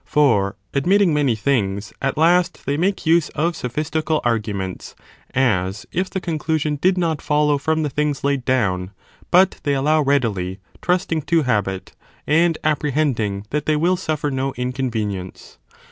CHAP. IL] THE TOPICS, 517 last they make use of sophistical arguments, as if the conclu sion did not follow from the things laid down, but they allow readily, trusting to habit, and apprehending that they will suffer no inconvenience.